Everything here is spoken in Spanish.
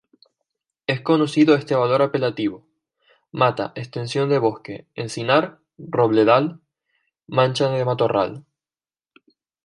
Es conocido este valor apelativo: mata ‘extensión de bosque; encinar; robledal; mancha de matorral’.